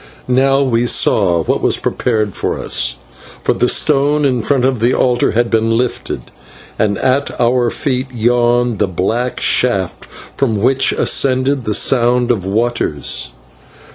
Now we saw what was prepared for us, for the stone in front of the altar had been lifted, and at our feet yawned the black shaft from which ascended the sound of waters.